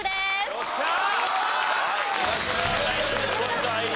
よっしゃー！